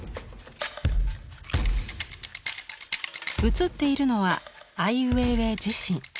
写っているのはアイ・ウェイウェイ自身。